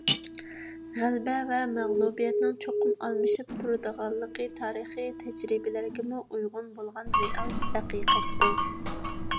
غەلىبە ۋە مەغلۇبىيەتنىڭ چوقۇم ئالمىشىپ تۇرىدىغانلىقى تارىخىي تەجرىبىلەرگىمۇ ئۇيغۇن بولغان رېئال ھەقىقەتتۇر.